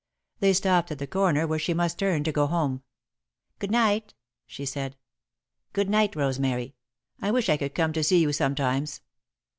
They stopped at the corner where she must turn to go home. "Good night," she said. "Good night, Rosemary. I wish I could come to see you sometimes."